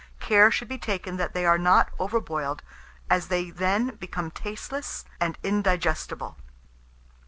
Care should be taken that they are not over boiled, as they then become tasteless and indigestible.